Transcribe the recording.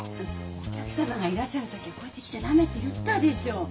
お客様がいらっしゃる時はこっち来ちゃ駄目って言ったでしょう。